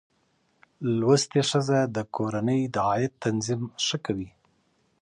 زده کړه ښځه د کورنۍ د عاید تنظیم ښه کوي.